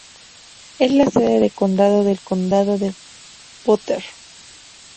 Es la sede de condado del condado de Potter.